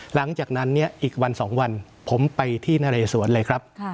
หลังจากนั้นเนี่ยอีกวัน๒วันผมไปที่นเรสวนเลยครับ